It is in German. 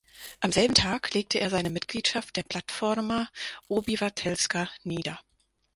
Am selben Tag legte er seine Mitgliedschaft der Platforma Obywatelska nieder.